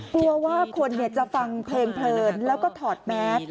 กลัวว่าคนจะฟังเพลงเพลินแล้วก็ถอดแมส